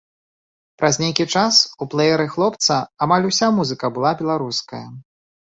Праз нейкі час у плэеры хлопца амаль уся музыка была беларуская.